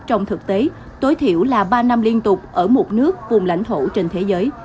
trong thực tế tối thiểu là ba năm liên tục ở một nước vùng lãnh thổ trên thế giới